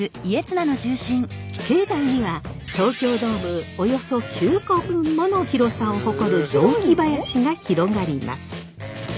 境内には東京ドームおよそ９個分もの広さを誇る雑木林が広がります。